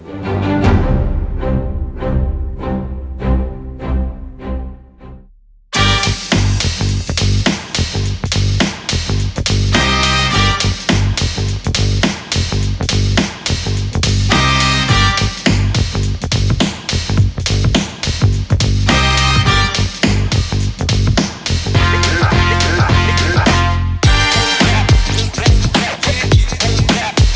ทำไมไม่ตัด